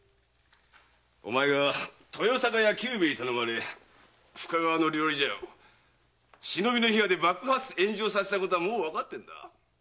お前が豊栄屋久兵衛に頼まれ深川の料理茶屋を忍びの火矢で爆発炎上させたことはもうわかってんだ。